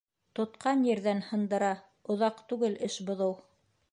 Тотҡан ерҙән һындыра Оҙаҡ түгел эш боҙоу.